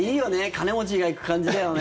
金持ちが行く感じだよね。